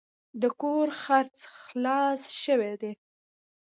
د کور خرڅ خلاص شوی دی.